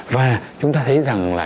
và chúng ta thấy rằng là